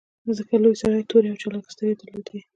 ځکه لوی سړي تورې او چالاکې سترګې درلودې